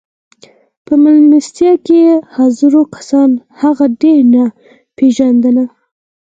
په مېلمستيا کې حاضرو کسانو هغه ډېر نه پېژانده.